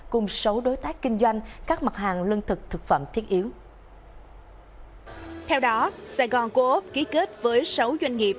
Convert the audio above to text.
cùng số đối tác kinh doanh